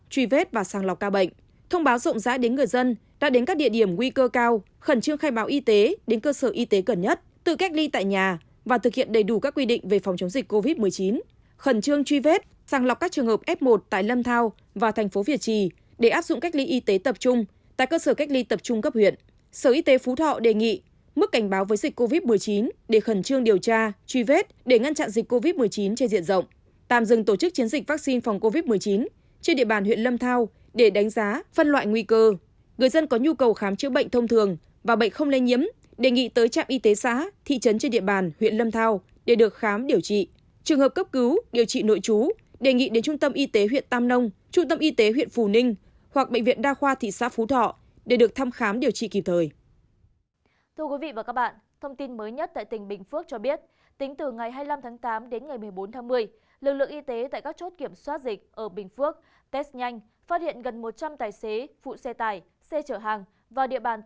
quý vị và các bạn thông tin mới nhất tại tỉnh bình phước cho biết tính từ ngày hai mươi năm tháng tám đến ngày một mươi bốn tháng một mươi lực lượng y tế tại các chốt kiểm soát dịch ở bình phước test nhanh phát hiện gần một trăm linh tài xế phụ xe tải xe chở hàng và địa bàn tỉnh dương tính với sars cov hai